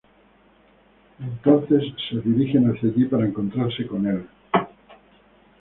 Entonces se dirigen hacia allí para encontrarse con Él.